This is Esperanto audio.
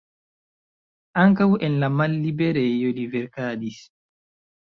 Ankaŭ en la malliberejo li verkadis.